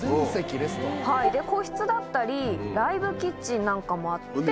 はいで個室だったりライブキッチンなんかもあって。